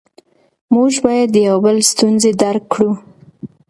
موږ باید د یو بل ستونزې درک کړو